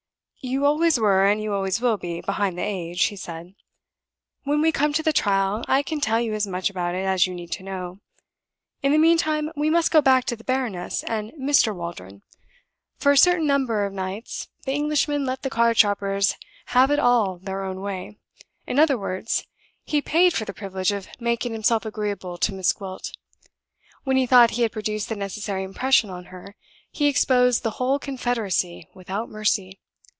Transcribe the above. "You always were, and you always will be, behind the age," he said. "When we come to the trial, I can tell you as much about it as you need know. In the meantime, we must go back to the baroness and Mr. Waldron. For a certain number of nights the Englishman let the card sharpers have it all their own way; in other words, he paid for the privilege of making himself agreeable to Miss Gwilt. When he thought he had produced the necessary impression on her, he exposed the whole confederacy without mercy.